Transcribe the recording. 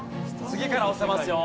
次から押せますよ。